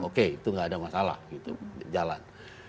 oke itu nggak ada masalah gitu jalan